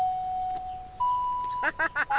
アハハハ！